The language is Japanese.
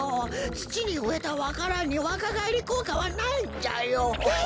つちにうえたわか蘭にわかがえりこうかはないんじゃよ。え！？